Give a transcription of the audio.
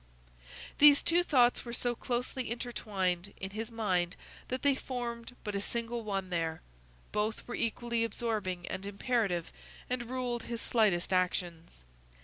These two thoughts were so closely intertwined in his mind that they formed but a single one there; both were equally absorbing and imperative and ruled his slightest actions.